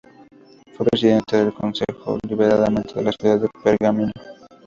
Fue presidente del Concejo Deliberante de la ciudad de Pergamino.